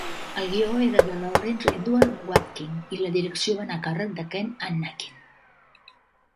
El guió era de Lawrence Edward Watkin i la direcció va anar a càrrec de Ken Annakin.